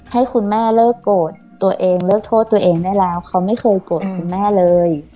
ให้คุณแม่เลิกโกรธตัวเองเลิกโทษตัวเองได้แล้วเขาไม่เคยโกรธคุณแม่เลย